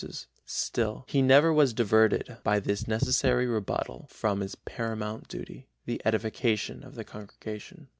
Prieriatis responsio, still he never was diverted by this necessary rebuttal from his paramount duty, the edification of the congregation.